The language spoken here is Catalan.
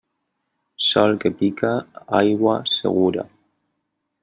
Sol que pica, aigua segura.